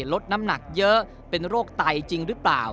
ลดน้ำหนักเยอะเป็นโรคไตจริงหรือเปล่า